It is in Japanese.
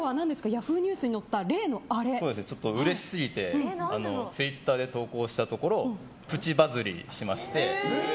Ｙａｈｏｏ！ニュースに載ったうれしすぎてツイッターで投稿したところプチバズりしまして。